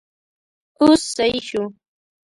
اوس سيي شو!